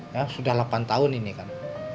ya sudah delapan tahun ini kan